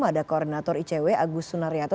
ada koordinator icw agus sunariato